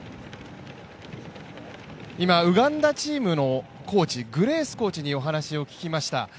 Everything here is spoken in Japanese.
ウガンダチームのコーチにお話を聞きました。